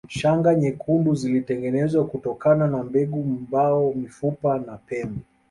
Shanga nyekundu zilitengenezwa kutokana na mbegu mbao mifupa na pembe